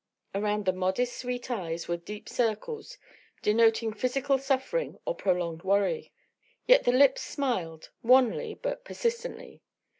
Around the modest, sweet eyes were deep circles, denoting physical suffering or prolonged worry; yet the lips smiled, wanly but persistently.